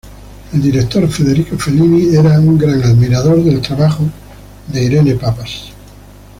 El director Federico Fellini era un gran admirador del trabajo de Irene Papas.